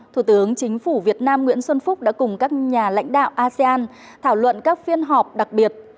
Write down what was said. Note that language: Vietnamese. thủ tướng chính phủ việt nam nguyễn xuân phúc đã cùng các nhà lãnh đạo asean thảo luận các phiên họp đặc biệt